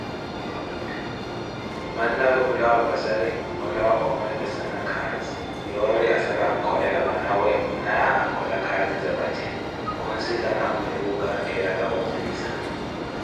Manna we khulawa opazari para olawa omweekesa nakhaazi yoori asala ankholela mwana we ni okhola khaazi zavace, khunsikana Omeluka eettaka wuzanyisiya.